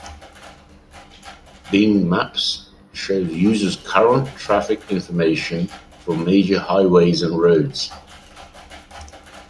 Bing Maps shows users current traffic information for major highways and roads.